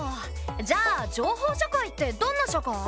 じゃあ情報社会ってどんな社会？